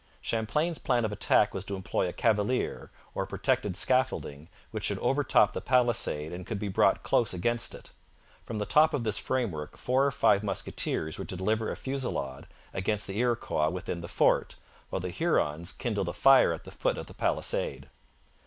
Champlain's plan of attack was to employ a cavalier, or protected scaffolding, which should overtop the palisade and could be brought close against it. From the top of this framework four or five musketeers were to deliver a fusillade against the Iroquois within the fort, while the Hurons kindled a fire at the foot of the palisade.